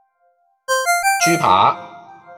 豬扒